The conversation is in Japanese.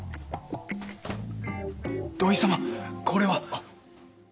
土井様これは。